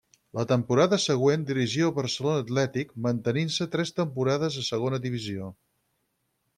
La temporada següent dirigí el Barcelona Atlètic, mantenint-se tres temporades a Segona Divisió.